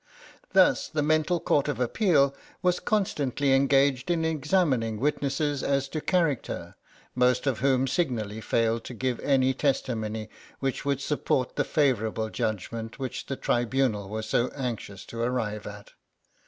Thus the mental court of appeal was constantly engaged in examining witnesses as to character, most of whom signally failed to give any testimony which would support the favourable judgment which the tribunal was so anxious to arrive at.